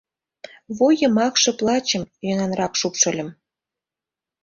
Вуй йымакше плащым йӧнанрак шупшыльым.